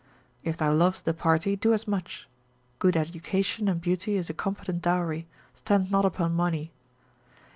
If thou lovest the party, do as much: good education and beauty is a competent dowry, stand not upon money.